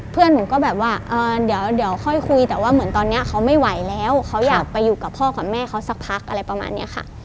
เพื่อนหนูก็แบบว่าเดี๋ยวค่อยคุยแต่ว่าเหมือนตอนนี้เขาไม่ไหวแล้วเขาอยากไปอยู่กับพ่อกับแม่เขาสักพักอะไรประมาณนี้ค่ะ